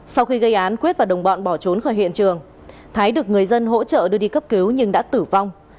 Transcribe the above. sau khi gây án quyết và đồng bọn bỏ trốn khỏi hiện trường thái được người dân hỗ trợ đưa đi cấp cứu nhưng đã tử vong